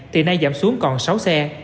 thì nay giảm xuống còn sáu xe